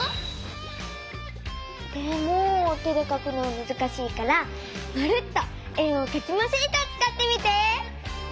でも手でかくのはむずしいから「まるっと円をかきまシート」をつかってみて！